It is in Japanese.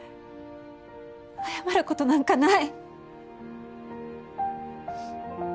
謝る事なんかない！